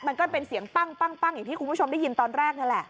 มันก็เป็นเสียงปั้งอย่างที่คุณผู้ชมได้ยินตอนแรกนั่นแหละ